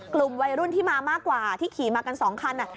กลุ่มวัยรุ่นที่มามากกว่าที่ขี่มากัน๒คัน